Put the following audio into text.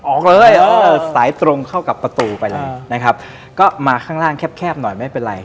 ออกเลยเออสายตรงเข้ากับประตูไปเลยนะครับก็มาข้างล่างแคบหน่อยไม่เป็นไร